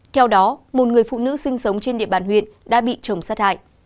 theo đó một người phụ nữ sinh sống trên địa bàn huyện đã bị chồng sát hại